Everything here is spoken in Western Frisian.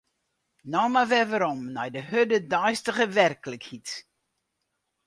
No mar wer werom nei de hurde deistige werklikheid.